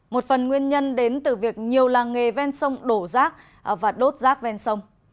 một phần nguyên nhân đến từ việc nhiều làng nghề ven sông đổ rác và đốt rác ven sông